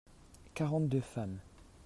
quarante deux femmes.